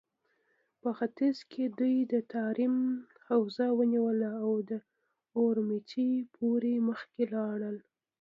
په ختيځ کې دوی د تاريم حوزه ونيوله او تر اورومچي پورې مخکې لاړل.